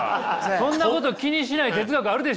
そんなこと気にしない哲学あるでしょ。